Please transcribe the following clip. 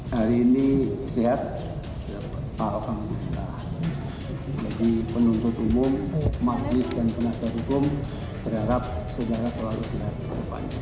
hari ini siap jadi penuntut umum maklis dan penasar hukum berharap saudara selalu sehat